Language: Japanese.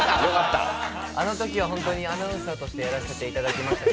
あのときは本当にアナウンサーとしてやらせていただきました